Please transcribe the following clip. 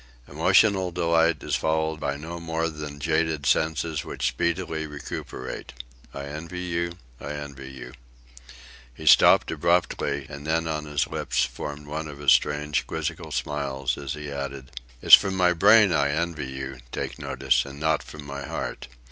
Emotional delight is followed by no more than jaded senses which speedily recuperate. I envy you, I envy you." He stopped abruptly, and then on his lips formed one of his strange quizzical smiles, as he added: "It's from my brain I envy you, take notice, and not from my heart.